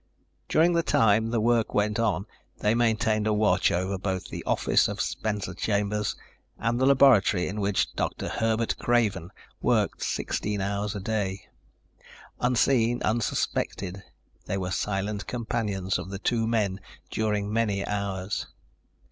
During the time the work went on they maintained a watch over both the office of Spencer Chambers and the laboratory in which Dr. Herbert Craven worked 16 hours a day. Unseen, unsuspected, they were silent companions of the two men during many hours.